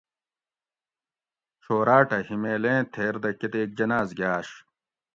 چھوراۤٹہ ھیمیل ایں تھیر دہ کتیک جناۤز گاۤش